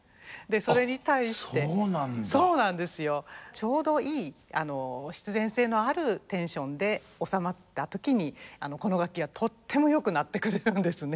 ちょうどいい必然性のあるテンションでおさまった時にこの楽器はとってもよく鳴ってくれるんですね。